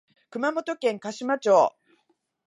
熊本県嘉島町